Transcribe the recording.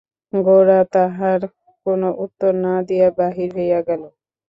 গোরা তাহার কোনো উত্তর না দিয়া বাহির হইয়া গেল।